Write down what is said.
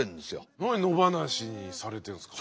何野放しにされてるんですか？